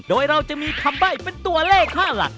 โดยเราจะมีคำใบ้เป็นตัวเลขค่าหลัก